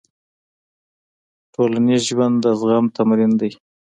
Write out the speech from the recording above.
ټولنیز ژوند د زغم تمرین دی.